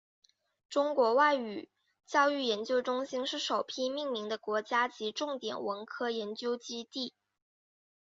中国外语教育研究中心是首批命名的国家级重点文科研究基地。